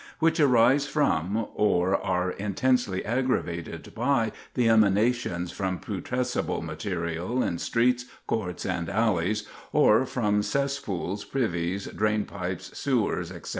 which arise from, or are intensely aggravated by the emanations from putrescible material in streets, courts, and alleys, or from cesspools, privies, drain pipes, sewers, etc.